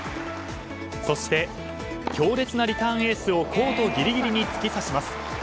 そして、強烈なリターンエースをコートギリギリに突き刺します。